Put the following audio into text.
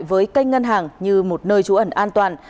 với kênh ngân hàng như một nơi trú ẩn an toàn